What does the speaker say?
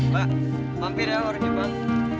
pak mampir ya orang jepang